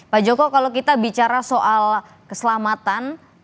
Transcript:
pak joko kalau kita bicara soal keselamatan